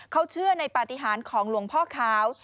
เขาเชื่อในปฏิหารของหลวงพ่อขาว